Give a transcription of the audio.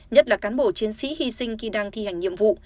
nhất là cán bộ chiến sĩ hy sinh khi đang thi hành nhiệm vụ